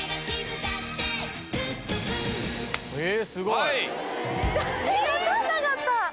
すごい！分かんなかった！